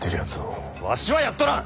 わしはやっとらん！